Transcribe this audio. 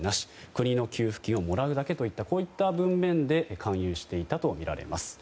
国の給付金をもらうだけといった文面で勧誘していたとみられます。